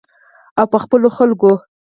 او په خپلو خلکو.